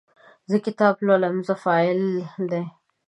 زه کتاب لولم – "زه" فاعل دی.